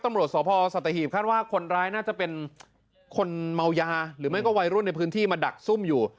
ตำรวจสพสัตหีบคาดว่าคนร้ายน่าจะเป็นคนเมายาหรือไม่ก็วัยรุ่นในพื้นที่มาดักซุ่มอยู่